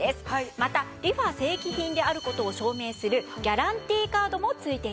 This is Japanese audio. またＲｅＦａ正規品である事を証明するギャランティーカードも付いています。